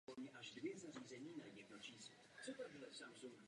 Jediným kandidátem byl předseda Republikánské strany Miroslav Sládek.